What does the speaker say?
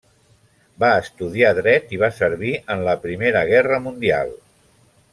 Va estudiar Dret i va servir en la Primera Guerra Mundial.